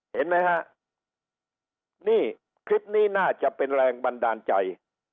เห็นไหมฮะนี่คลิปนี้น่าจะเป็นแรงบันดาลใจ